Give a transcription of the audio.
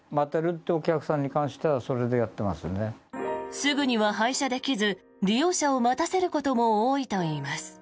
すぐには配車できず利用者を待たせることも多いといいます。